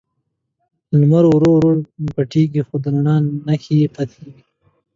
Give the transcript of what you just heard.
لمر ورو ورو پټیږي، خو د رڼا نښې یې پاتې وي.